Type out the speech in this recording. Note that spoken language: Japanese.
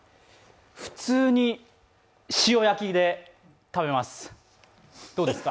普通に塩焼きで食べます、どうですか。